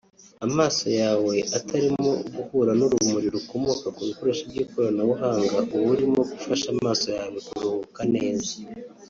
amaso yawe atarimo guhura n’urumuri rukomoka ku bikoresho by’ikoranabuhanga uba urimo gufasha amaso yawe kuruhuka neza